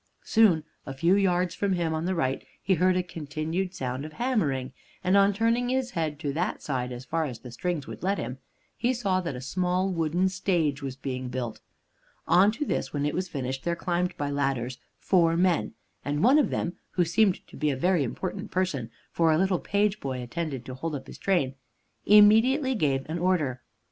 Soon, a few yards from him, on the right, he heard a continued sound of hammering, and on turning his head to that side as far as the strings would let him, he saw that a small wooden stage was being built. On to this, when it was finished, there climbed by ladders four men, and one of them (who seemed to be a very important person, for a little page boy attended to hold up his train) immediately gave an order.